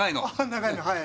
長いのはい。